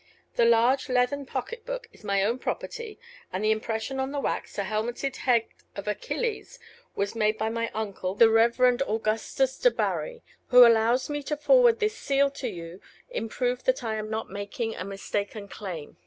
The large leathern pocket book is my own property and the impression on the wax, a helmeted head of Achilles, was made by my uncle, the Reverend Augustus Debarry, who allows me to forward this seal to you in proof that I am not making a mistaken claim.